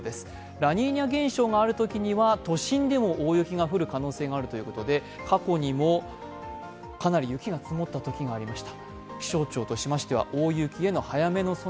ラニーニャ現象があるときには都心でも大雪が降る可能性があるということで過去にも、かなり雪が積もったときがありました。